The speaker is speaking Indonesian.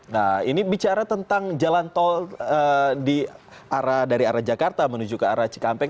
nah ini bicara tentang jalan tol dari arah jakarta menuju ke arah cikampek